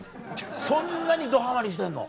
そんなにどハマりしてんの？